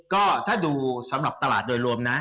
ก็ถ้าดูสำหรับตลาดโดยรวมนะ